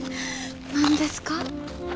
何ですか？